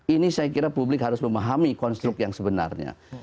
ini saya kira publik harus memahami konstruk yang sebenarnya